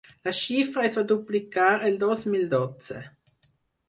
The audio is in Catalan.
La xifra es va duplicar el dos mil dotze.